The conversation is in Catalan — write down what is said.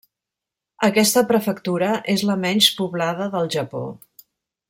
Aquesta prefectura és la menys poblada del Japó.